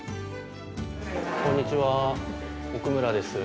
こんにちは奥村です。